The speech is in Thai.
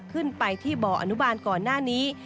ขึ้นไปที่บ่ออนุบาลก่อนหน้านี้